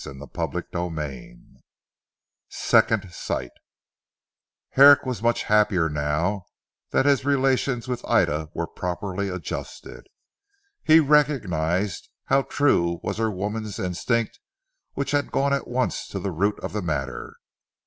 CHAPTER XII SECOND SIGHT Herrick was much happier now that his relations with Ida were properly adjusted. He recognised how true was her woman's instinct which had gone at once to the root of the matter.